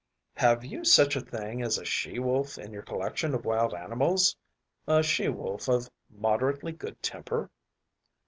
“Have you such a thing as a she wolf in your collection of wild animals? A she wolf of moderately good temper?